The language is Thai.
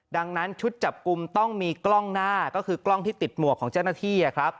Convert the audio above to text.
ดังนั้นชุดจับกลุ่มต้องมีกล้องหน้าก็คือกล้องที่ติดหมวกของเจ้าหน้าที่